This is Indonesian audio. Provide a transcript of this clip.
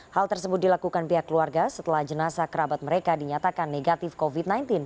hal tersebut dilakukan pihak keluarga setelah jenazah kerabat mereka dinyatakan negatif covid sembilan belas